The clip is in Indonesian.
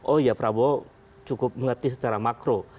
oh ya prabowo cukup mengerti secara makro